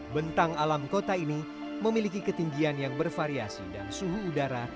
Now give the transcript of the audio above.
bentang alam kota ini memiliki ketinggian yang bervariasi dan suhu udara